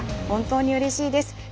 本当にうれしいです。